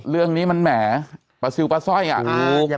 เรื่องนี้มันแหมปลาซิลปลาสร้อยอ่ะ